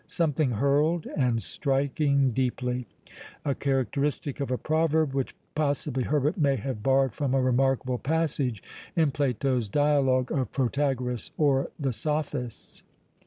something hurled and striking deeply; a characteristic of a proverb which possibly Herbert may have borrowed from a remarkable passage in Plato's dialogue of "Protagoras or the Sophists."